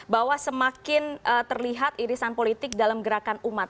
bahwa semakin terlihat irisan politik dalam gerakan umat